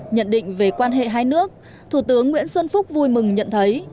nhận định về quan hệ hai nước thủ tướng nguyễn xuân phúc vui mừng nhận thấy